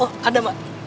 oh ada mbak